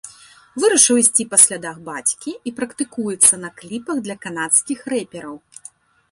Вырашыў ісці па слядах бацькі і практыкуецца на кліпах для канадскіх рэпераў.